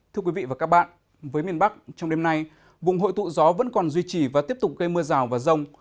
thưa quý vị và các bạn với miền bắc trong đêm nay vùng hội tụ gió vẫn còn duy trì và tiếp tục gây mưa rào và rông